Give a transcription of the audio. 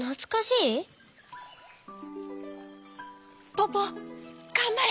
ポポがんばれ！